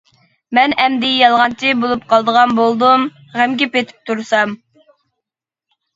مەن ئەمدى يالغانچى بولۇپ قالىدىغان بولدۇم، غەمگە پېتىپ تۇرسام.